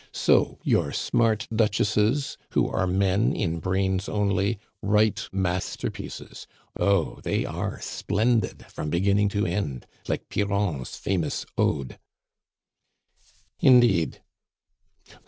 "So your smart duchesses, who are men in brains only, write masterpieces. Oh! they are splendid from beginning to end, like Piron's famous ode! " "Indeed!"